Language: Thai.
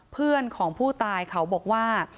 เพื่อนของผู้ตายเขาบอกว่า